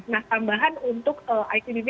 nah tambahan untuk icbp